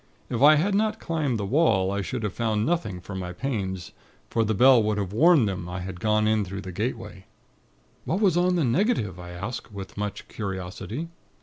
If I had not climbed the wall, I should have found nothing for my pains; for the bell would have warned them had I gone in through the gateway." "What was on the negative?" I asked, with much curiosity.